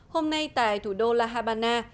hôm nay tại thủ đô la habana